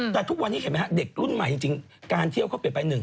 แต่ทุกวันนี้เห็นไหมฮะเด็กรุ่นใหม่จริงการเที่ยวเขาเปลี่ยนไปหนึ่ง